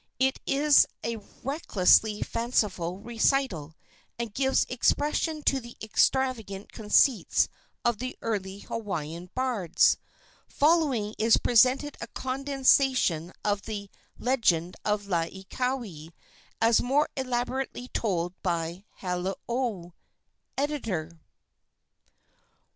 It is a recklessly fanciful recital, and gives expression to the extravagant conceits of the early Hawaiian bards. Following is presented a condensation of the legend of Laieikawai, as more elaborately told by Haleole. Editor. I.